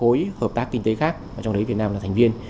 hội hợp tác kinh tế khác trong đấy việt nam là thành viên